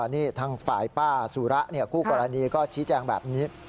นี่ทางฝ่ายป้าสุระคู่กรณีก็ชี้แจงแบบนี้